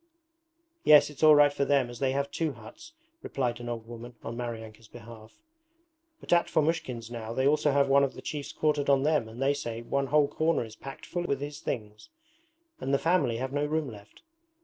'Yes, it's all right for them as they have two huts,' replied an old woman on Maryanka's behalf, 'but at Fomushkin's now they also have one of the chiefs quartered on them and they say one whole corner is packed full with his things, and the family have no room left.